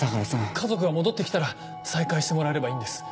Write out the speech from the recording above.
家族が戻って来たら再開してもらえればいいんです。